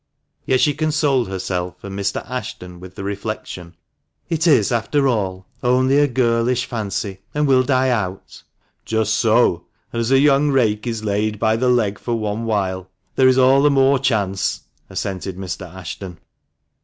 Yet she consoled herself and Mr. Ashton with the reflection, "It is, after all, only a girlish fancy, and will die out." "Just so, and as the young rake is laid by the leg for one while, there is all the more chance," assented Mr. Ashton.